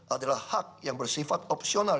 adalah hak yang bersifat opsional dari gubernur